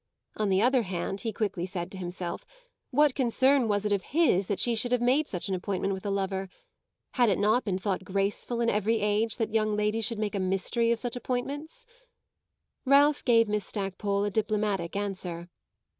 On the other hand, he quickly said to himself, what concern was it of his that she should have made an appointment with a lover? Had it not been thought graceful in every age that young ladies should make a mystery of such appointments? Ralph gave Miss Stackpole a diplomatic answer.